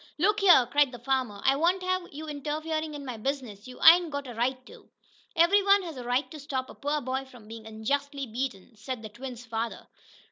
"Look here!" cried the farmer. "I won't have you interferin' in my business! You ain't got a right to!" "Every one has a right to stop a poor boy from being unjustly beaten," said the twins' father.